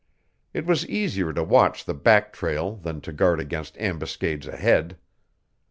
It was easier to watch the back trail than to guard against ambuscades ahead.